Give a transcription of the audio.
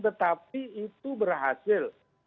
tetapi itu berhasil